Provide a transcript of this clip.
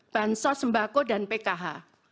bansos sembako dan pkh